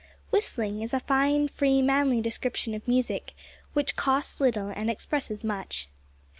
Whistling is a fine, free, manly description of music, which costs little and expresses much.